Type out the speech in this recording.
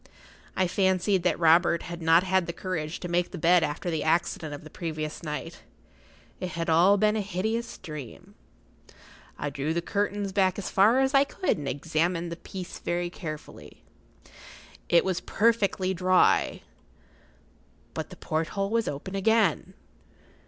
I fancied that Robert had not had the courage to make the bed after the accident of the previous night—it had all been a hideous dream. I drew the curtains back as far as I could and examined the place very carefully. It was perfectly dry. But the porthole was open again.